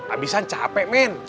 abisan capek men